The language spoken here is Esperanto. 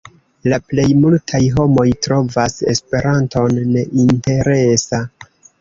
La plej multaj homoj trovas Esperanton neinteresa.